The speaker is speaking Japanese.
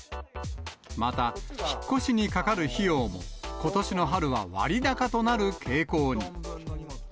また、引っ越しにかかる費用も、ことしの春は割高となる傾向に。